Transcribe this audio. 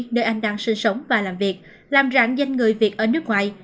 nơi anh đang sinh sống và làm việc làm rạng danh người việt ở nước ngoài